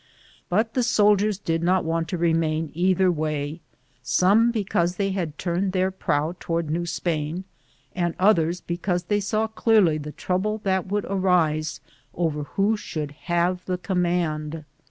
But the soldiers did not want to remain either way, some because they had turned their prow toward New Spain, and others because they saw clearly the trouble that would arise over who should have the com mand.